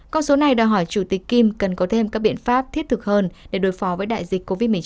con số này đòi hỏi chủ tịch kim cần có thêm các biện pháp thiết thực hơn để đối phó với đại dịch covid một mươi chín